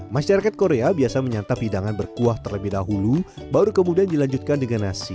masyarakat korea biasa menyantap hidangan berkuah terlebih dahulu baru kemudian dilanjutkan dengan nasi